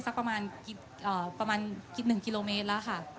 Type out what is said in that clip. สักประมาณ๑๑กิโลเมตรแล้วค่ะ